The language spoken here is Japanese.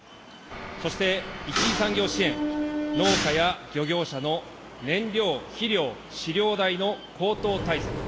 そして一次産業支援、農家や漁業者の燃料、肥料、飼料代の高騰対策。